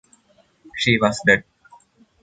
She was dead.